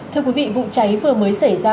thưa quý vị vụ cháy vừa mới xảy ra